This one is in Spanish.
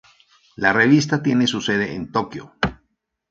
La revista tiene su sede en Tokio.